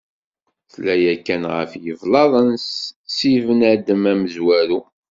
Tella yakkan ɣef yiblaḍen, si bnadem amezwaru.